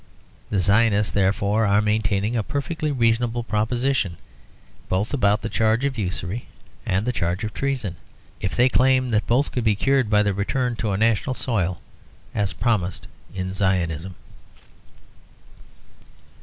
The Zionists therefore are maintaining a perfectly reasonable proposition, both about the charge of usury and the charge of treason, if they claim that both could be cured by the return to a national soil as promised in Zionism.